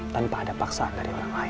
tanpa ada paksaan dari orang lain